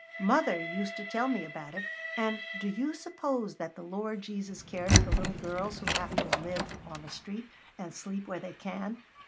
Mother used to tell me about it. And do you suppose that the Lord Jesus cares for little girls who have to live on the street and sleep where they can?